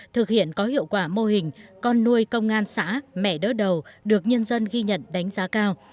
thực hiện có hiệu quả mô hình con nuôi công an xã mẹ đớt đầu được nhân dân ghi nhận đánh giá cao